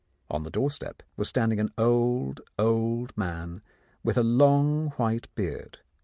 On the doorstep was stand ing an old, old man with a long white beard.